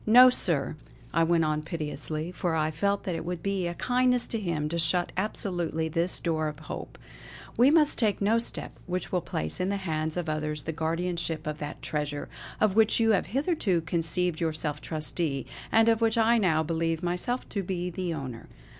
No sir" I went on pitilessly, for I felt that it would be a kindness to him to shut absolutely this door of hope, "We must take no step which will place in the hands of others the guardianship of that treasure, of which you have hitherto conceived yourself trustee, and of which I now believe myself to be the owner."